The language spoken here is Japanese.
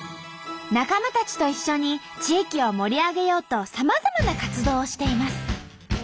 仲間たちと一緒に地域を盛り上げようとさまざまな活動をしています。